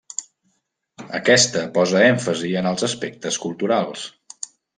Aquesta posa èmfasi en els aspectes culturals.